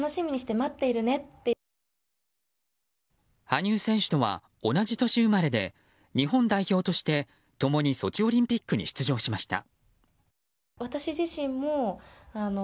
羽生選手とは同じ年生まれで日本代表として共にソチオリンピックに出場しました。